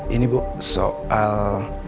ini bu soal